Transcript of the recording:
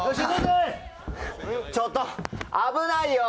ちょっと、危ないよ。